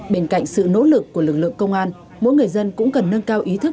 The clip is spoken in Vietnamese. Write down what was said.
bên cạnh sự nỗ lực của lực lượng công an mỗi người dân cũng cần nâng cao ý thức